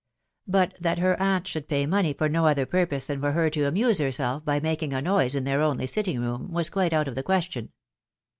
But that her aunt should pay .money fir no other purpose than for her to amuse herself by waking a noise in their only sitting room, was quite out of the question.